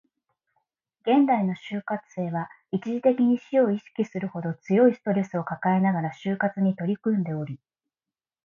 現代の就活生は、一時的に死を意識するほど強いストレスを抱えながら就活に取り組んでおり